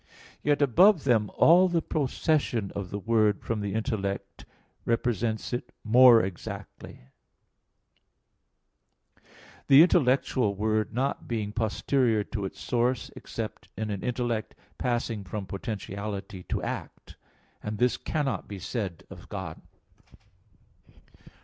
Yet, above them all the procession of the word from the intellect represents it more exactly; the intellectual word not being posterior to its source except in an intellect passing from potentiality to act; and this cannot be said of God.